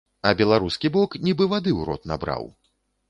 А беларускі бок нібы вады ў рот набраў!